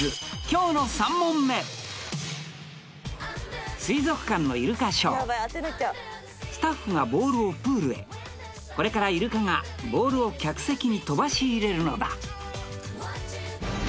今日の３問目水族館のイルカショースタッフがボールをプールへこれからイルカがボールを客席に飛ばし入れるのだ